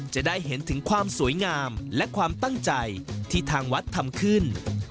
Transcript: จะได้เห็นถึงความสวยงามและความตั้งใจที่ทางวัดทำขึ้น